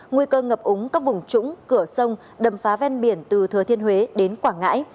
nguy cơ ngập úng các vùng trũng cửa sông đầm phá ven biển từ thừa thiên huế đến quảng ngãi